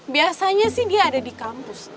biasanya sih dia ada di kampus